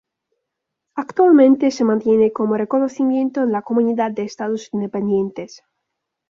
Actualmente se mantiene como reconocimiento en la Comunidad de Estados Independientes.